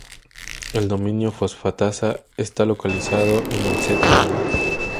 El dominio fosfatasa está localizado en el C-terminal.